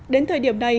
đến thời gian này